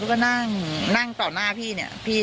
เขาก็นั่งต่อหน้าพี่เนี่ย